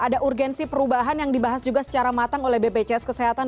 ada urgensi perubahan yang dibahas juga secara matang oleh bpjs kesehatan